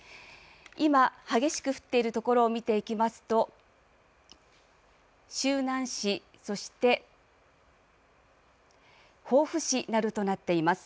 今、激しく降っている所を見ていきますと周南市そして防府市などとなっています。